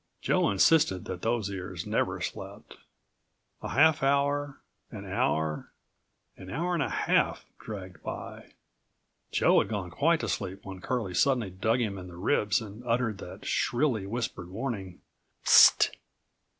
Joe insisted that those ears never slept. A half hour, an hour, an hour and a half dragged by. Joe had gone quite to sleep when Curlie suddenly dug him in the ribs and uttered the shrilly whispered warning: "Hist!